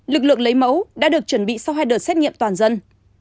lực lượng lấy mẫu đã được chuẩn bị sau hai đợt xét nghiệm toàn dân